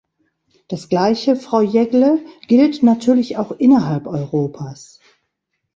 Das Gleiche, Frau Jeggle, gilt natürlich auch innerhalb Europas.